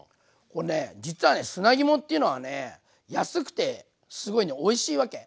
これね実は砂肝っていうのは安くてすごいおいしいわけ。